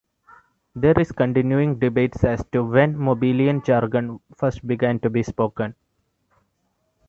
There is continuing debate as to when Mobilian Jargon first began to be spoken.